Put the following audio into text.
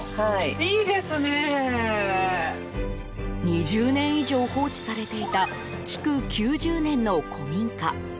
２０年以上放置されていた築９０年の古民家。